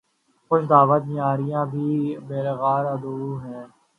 خوش دعوت یاراں بھی ہے یلغار عدو بھی